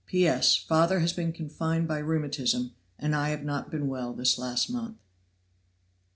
"P. S. Father has been confined by rheumatism, and I have not been well this last month."